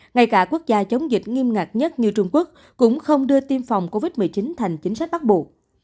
ngay cả quốc gia chống dịch nghiêm ngặt nhất như trung quốc cũng không đưa tiêm phòng covid một mươi chín thành chính sách bắt buộc